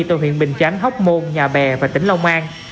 từ huyện bình chánh hóc môn nhà bè và tỉnh long an